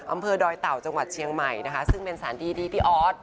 อำเภอดอยเต่าจังหวัดเชียงใหม่นะคะซึ่งเป็นสารดีที่พี่ออส